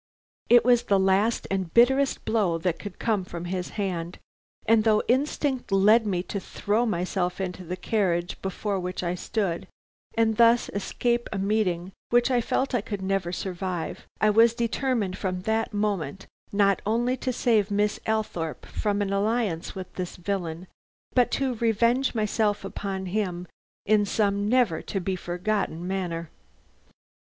"It was the last and bitterest blow that could come from his hand; and though instinct led me to throw myself into the carriage before which I stood, and thus escape a meeting which I felt I could never survive, I was determined from that moment not only to save Miss Althorpe from an alliance with this villain, but to revenge myself upon him in some never to be forgotten manner.